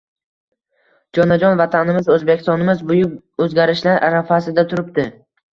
Jonajon Vatanimiz – O‘zbekistonimiz buyuk o‘zgarishlar arafasida turibdi.